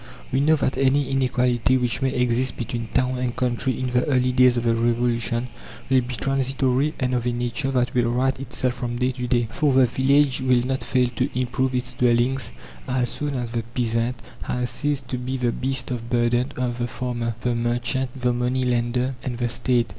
We know that any inequality which may exist between town and country in the early days of the Revolution will be transitory and of a nature that will right itself from day to day; for the village will not fail to improve its dwellings as soon as the peasant has ceased to be the beast of burden of the farmer, the merchant, the money lender, and the State.